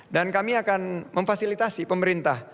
dan kami akan memfasilitasi pemerintah